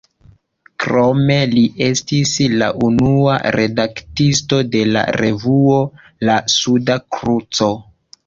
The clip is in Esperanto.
Krome li estis la unua redaktisto de la revuo "La Suda Kruco".